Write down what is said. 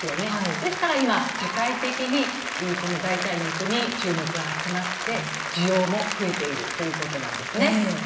だから今、世界的に代替肉に注目が集まって需要が増えているということなんです。